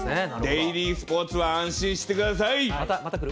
デイリースポーツは安心してまた来る？